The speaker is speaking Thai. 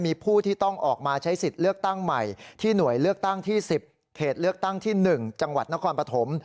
มีผู้ที่ต้องออกมาใช้สิทธิ์เลือกตั้งใหม่ที่หน่วยเลือกตั้งที่๑๐เขตเลือกตั้งที่๑จังหวัดนครปฐม